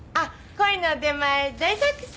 恋の出前大作戦！